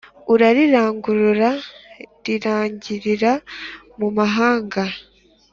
urarirangurura rirangirira mu mahanga